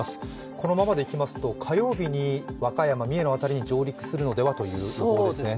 このままでいきますと火曜日に和歌山、三重の辺りに上陸するのではという感じなんですね。